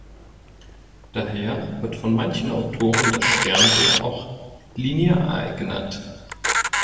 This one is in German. Daher wird von manchen Autoren das Sternbild auch „Lineal“ genannt.